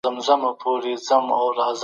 زه په خپل هېواد کي د مطالعې فرهنګ غواړم.